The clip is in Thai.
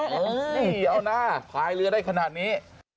เนี่ยเอานะพลายเรือได้ขนาดนี้